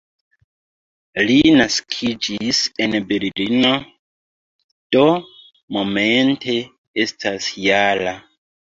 Li naskiĝis en Berlino, do momente estas -jara.